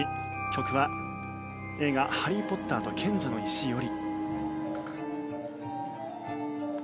曲は映画「ハリー・ポッターと賢者の石」より。